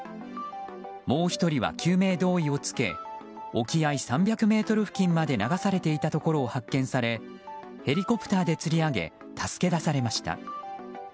もう１人は救命胴衣をつけ沖合３００ｍ付近まで流されていたところを発見されヘリコプターでつり上げ助け出されました。